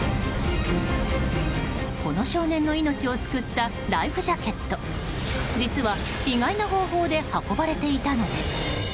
この少年の命を救ったライフジャケット実は意外な方法で運ばれていたのです。